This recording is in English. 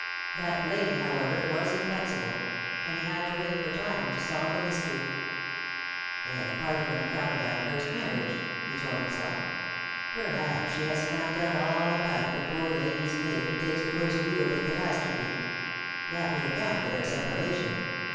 That lady, however, was inflexible ; and he had to wait for time to solve the mystery. " They have parted on account of that first marriage," he told himself. " Perhaps she has found out all about the poor lady's fate, and takes the worst view of the catastrophe. That would account for their separation.